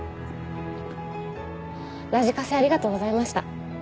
ラジカセありがとうございました。